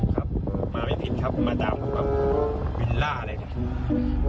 ครับมาไม่ผิดครับมาตามครับภูวิล่าเลยนะ